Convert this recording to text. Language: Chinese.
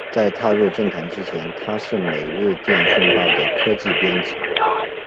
在踏入政坛之前他是每日电讯报的科技编辑。